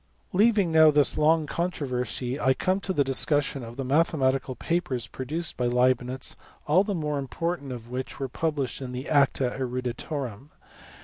Leaving now this long controversy I come to the discussion of the mathematical papers produced by Leibnitz, all the more important of which were published in the Acta Eruditorum.